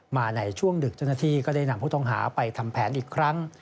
มาในช่วงดึกเจ้าหน้าที่ก็ได้นำผู้ต้องหาไปทำแผนอีกครั้ง